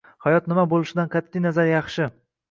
Hayot nima bo'lishidan qat'i nazar yaxshi.